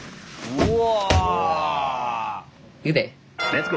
うわ！